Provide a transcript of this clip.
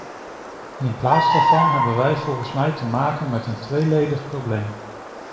In plaats daarvan hebben we volgens mij te maken met een tweeledig probleem.